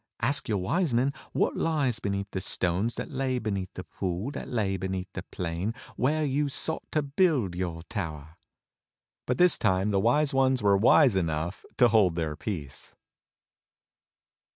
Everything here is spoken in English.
Ask your Wise Men what lies beneath the stones that lay beneath the pool that lay beneath the plain where you sought to build your tower." But this time the Wise Ones were wise enough to hold their peace.